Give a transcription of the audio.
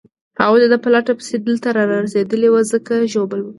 هغوی د ده په لټه پسې دلته رارسېدلي وو، ځکه چې ژوبل وو.